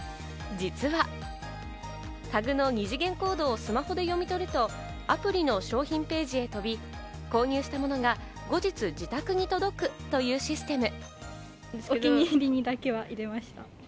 実は、タグの二次元コードをスマホで読み取るとアプリの商品ページへ飛び、購入したものが後日、自宅に届くというシステム。